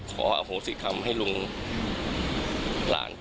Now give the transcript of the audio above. ขออโหสิกรรมให้ลุงหลาน